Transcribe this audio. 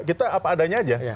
kita apa adanya aja